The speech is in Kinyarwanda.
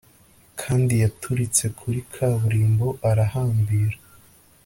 Kandi yaturitse kuri kaburimbo arahambira